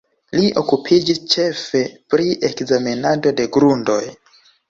Li okupiĝis ĉefe pri ekzamenado de grundoj.